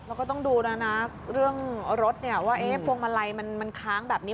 แล้วก็ต้องดูแล้วนะเรื่องรถว่าพวงมาลัยมันค้างแบบนี้